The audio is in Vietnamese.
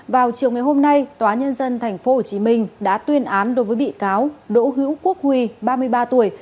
vào chiều ngày hôm nay tòa nhân dân tp hcm đã tuyên án đối với bị cáo đỗ hữu quốc huy ba mươi ba tuổi